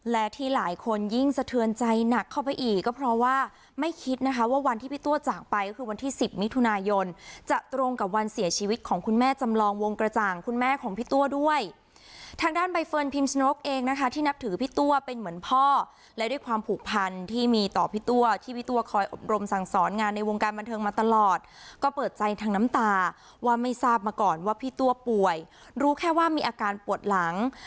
และที่หลายคนยิ่งสะเทือนใจหนักเข้าไปอีกก็เพราะว่าไม่คิดนะคะว่าวันที่พี่ตัวจากไปคือวันที่สิบมิถุนายนจะตรงกับวันเสียชีวิตของคุณแม่จำลองวงกระจ่างคุณแม่ของพี่ตัวด้วยทางด้านใบเฟิร์นพิมพ์สนุกเองนะคะที่นับถือพี่ตัวเป็นเหมือนพ่อและด้วยความผูกพันที่มีต่อพี่ตัวที่พี่ตัวคอยอบรมสั่